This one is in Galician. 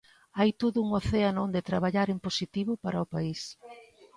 Hai todo un océano onde traballar en positivo para o país.